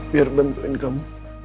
biar bantuin kamu